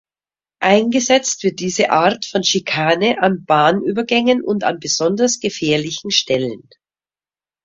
Eingesetzt wird diese Art von Schikane an Bahnübergängen und an besonders gefährlichen Stellen.